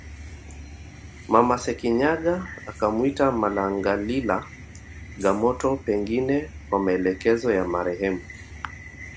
Mama Sekinyaga akamwita Malangalila Gamoto pengine kwa maelekezo ya marehemu